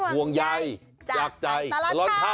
ห่วงใยจับใจตลอดเท้า